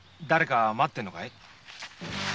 だれか待ってんのかい？